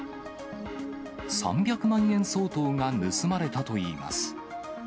３００万円相当が盗まれたといいます。